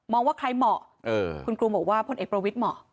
มองท์ข้ายเหมาะคุณกรุงบอกว่าพลเอกประวิศย์เหมาะ